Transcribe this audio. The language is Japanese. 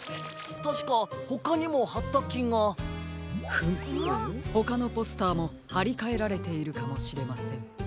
たしかほかにもはったきが。フムほかのポスターもはりかえられているかもしれません。